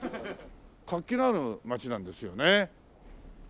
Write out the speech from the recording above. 活気のある町なんですよね。